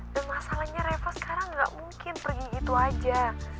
dan masalahnya reva sekarang gak mungkin pergi gitu aja